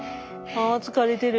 あ疲れてる。